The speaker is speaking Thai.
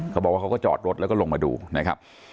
เขาบอกว่าเขาก็จอดรถแล้วก็ลงมาดูนะครับ